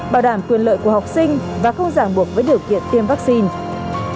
bảo đảm quyền lợi của học sinh và không giảng buộc với điều kiện tiêm vaccine